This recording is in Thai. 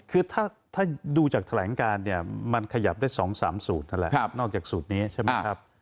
คือถ้าดูจากแถลงการเนี่ยมันขยับได้๒๓สูตรนั่นแหละนอกจากสูตรนี้ใช่ไหมครับ